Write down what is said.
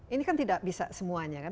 ini kan tidak bisa semuanya kan